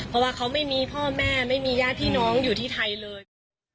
เพราะว่าเขาไม่มีพ่อแม่ไม่มีญาติพี่น้องอยู่ที่ไทยเลย